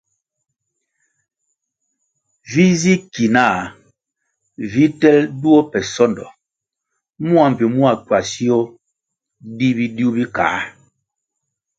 Vi zi ki nah vi telʼ duo pe sondo mua mbpi mua kwasio di bidiu bi kā.